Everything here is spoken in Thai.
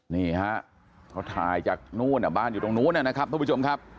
นี่ฮะเขาถ่ายจากนู่นบ้านอยู่ตรงนู้นนะครับทุกผู้ชมครับ